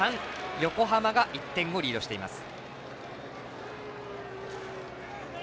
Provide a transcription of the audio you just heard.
横浜が１点リードしています。